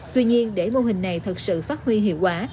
tuy nhiên để mô hình này thật sự phát huy hiệu quả